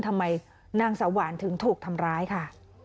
ทำไมนางสวรรค์ถึงถูกทำร้ายค่ะ